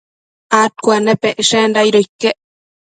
adcuennepecshenda aido iquec